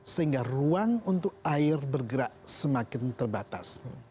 sehingga ruang untuk air bergerak semakin terbatas